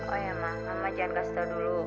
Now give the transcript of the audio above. oh iya ma ma jangan kasih tau dulu